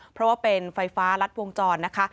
เพราะว่าเป็นไฟฟ้ารัดวงจรนะคะ